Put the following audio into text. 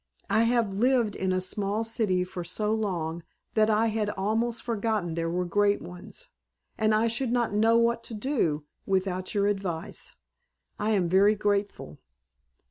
I have lived in a small city for so long that I had almost forgotten there were great ones; and I should not know what to do without your advice. I am very grateful."